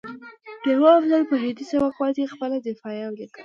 ډيوه افضل په هندي سبک باندې خپله دفاعیه ولیکه